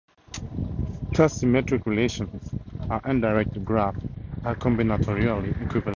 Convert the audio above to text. Thus, symmetric relations and undirected graphs are combinatorially equivalent objects.